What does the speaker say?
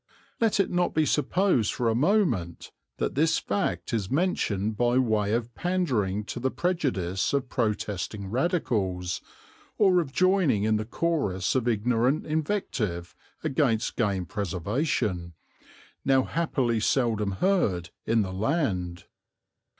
Let it not be supposed for a moment that this fact is mentioned by way of pandering to the prejudice of protesting Radicals, or of joining in the chorus of ignorant invective against game preservation, now happily seldom heard in the land.